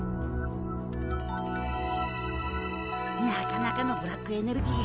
なかなかのブラックエネルギー。